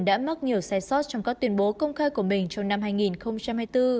đã mắc nhiều sai sót trong các tuyên bố công khai của mình trong năm hai nghìn hai mươi bốn